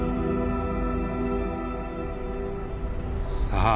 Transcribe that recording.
さあ